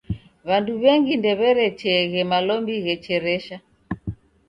W'andu w'engi ndew'erecheeghe malombi ghecheresha.